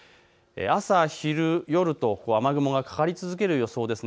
朝昼夜と雨雲がかかり続ける予想です。